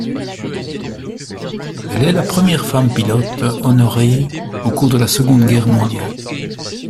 Elle est la première femme pilote honorée au cours de la Seconde Guerre Mondiale.